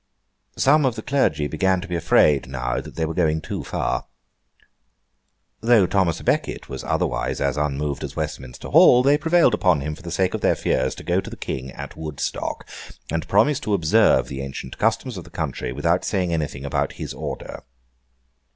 Some of the clergy began to be afraid, now, that they were going too far. Though Thomas à Becket was otherwise as unmoved as Westminster Hall, they prevailed upon him, for the sake of their fears, to go to the King at Woodstock, and promise to observe the ancient customs of the country, without saying anything about his order.